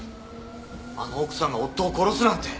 あの奥さんが夫を殺すなんて！